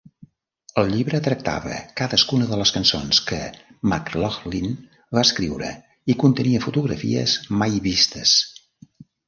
El llibre tractava cadascuna de les cançons que McLaughlin va escriure i contenia fotografies mai vistes.